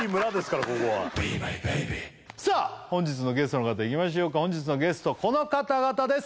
さあ本日のゲストの方いきましょうか本日のゲストこの方々です